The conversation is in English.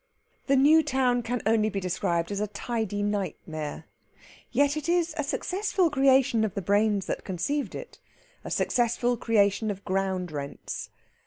The new town can only be described as a tidy nightmare; yet it is a successful creation of the brains that conceived it a successful creation of ground rents.